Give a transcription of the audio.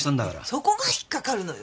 そこが引っかかるのよ。